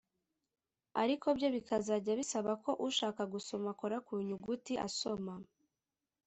ariko byo bikazajya bisaba ko ushaka gusoma akora ku nyuguti asoma